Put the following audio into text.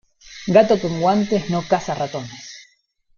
Gato con guantes, no caza ratones.